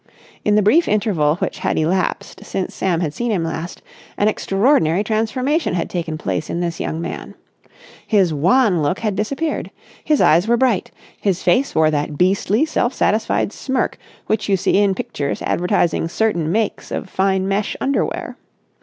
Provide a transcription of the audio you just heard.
In the brief interval which had elapsed since Sam had seen him last, an extraordinary transformation had taken place in this young man. His wan look had disappeared. His eyes were bright. His face wore that beastly self satisfied smirk which you see in pictures advertising certain makes of fine mesh underwear.